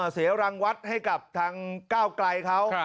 เสียรังวัดให้กับทางก้าวไกลเขา